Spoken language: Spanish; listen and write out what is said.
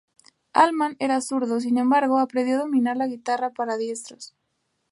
Allman era zurdo, sin embargo aprendió a dominar la guitarra para diestros.